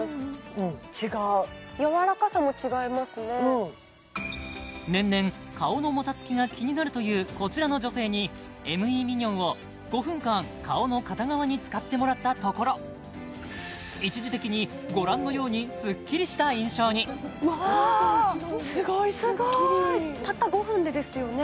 うん違うやわらかさも違いますね年々顔のもたつきが気になるというこちらの女性にＭＥミニョンを５分間顔の片側に使ってもらったところ一時的にご覧のようにスッキリした印象にわすごいスッキリすごいたった５分でですよね